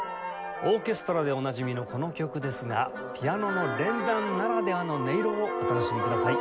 オーケストラでおなじみのこの曲ですがピアノの連弾ならではの音色をお楽しみください。